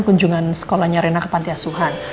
kunjungan sekolahnya rena ke panti asuhan